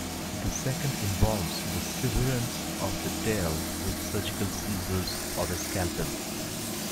The second involves the severance of the tail with surgical scissors or a scalpel.